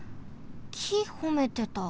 きほめてた。